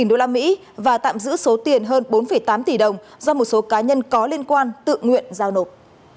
một trăm linh usd và tạm giữ số tiền hơn bốn tám tỷ đồng do một số cá nhân có liên quan tự nguyện giao nộp